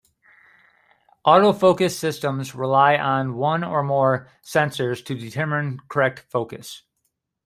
Autofocus systems rely on one or more sensors to determine correct focus.